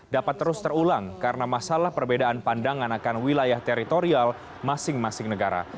dapat terus terulang karena masalah perbedaan pandangan akan wilayah teritorial masing masing negara